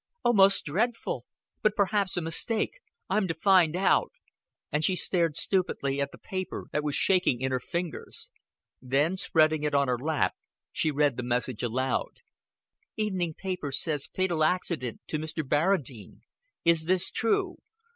"Oh, most dreadful. But perhaps a mistake. I'm to find out;" and she stared stupidly at the paper that was shaking in her fingers. Then, spreading it on her lap, she read the message aloud: "Evening paper says fatal accident to Mr. Barradine. Is this true?